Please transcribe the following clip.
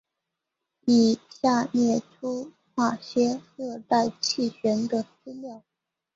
以下列出那些热带气旋的资料。